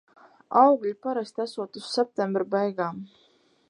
Augļi parasti esot uz septembra beigām.